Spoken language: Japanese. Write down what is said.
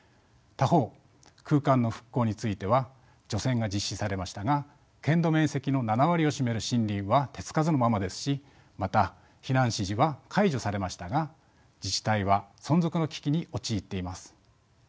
他方空間の復興については除染が実施されましたが県土面積の７割を占める森林は手付かずのままですしまた避難指示は解除されましたが自治体は存続の危機に陥っています。